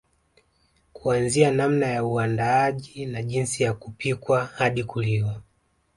Kuanzia namna ya uandaaji na jinsi ya kupikwa hadi kuliwa